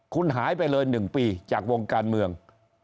คุณหายไปเลย๑ปีจากวงการเมือง